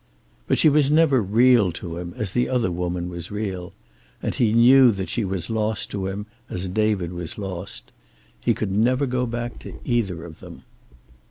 But she was never real to him, as the other woman was real. And he knew that she was lost to him, as David was lost. He could never go back to either of them.